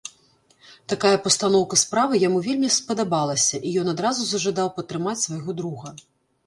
Такая пастаноўка справы яму вельмі спадабалася, і ён адразу зажадаў падтрымаць свайго друга.